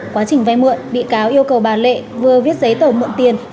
quá trình vay mượn bị cáo yêu cầu bà lệ vừa viết giấy tờ mượn tiền